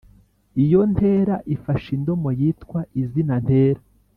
iyo ntera ifashe indomo yitwa izina ntera